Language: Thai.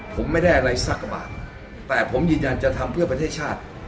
ผมไม่ได้อะไรสักกระบาทแต่ผมยืนยันจะทำเพื่อประเทศชาติ